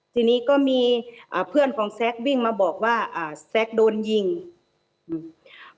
ทีนี้ก็มีอ่าเพื่อนของแซควิ่งมาบอกว่าอ่าแซ็กโดนยิงอืม